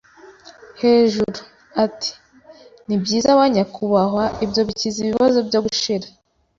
“Hejuru!” ati: “Nibyiza, banyakubahwa, ibyo bikiza ibibazo byo gushira